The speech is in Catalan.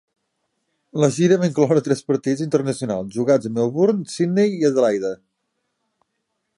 La gira va incloure tres partits internacionals jugats a Melbourne, Sydney i Adelaide.